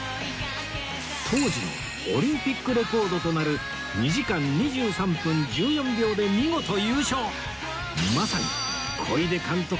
当時のオリンピックレコードとなる２時間２３分１４秒で見事優勝！